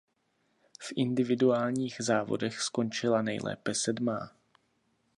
V individuálních závodech skončila nejlépe sedmá.